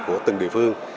của từng địa phương